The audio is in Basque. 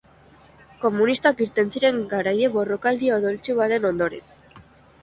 Komunistak irten ziren garaile borrokaldi odoltsu baten ondoren.